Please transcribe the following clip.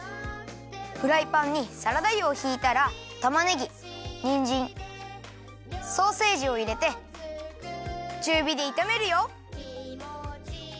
フライパンにサラダ油をひいたらたまねぎにんじんソーセージをいれてちゅうびでいためるよ。